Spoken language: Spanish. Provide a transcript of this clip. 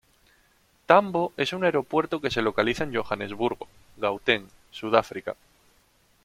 Tambo es un aeropuerto que se localiza en Johannesburgo, Gauteng, Sudáfrica.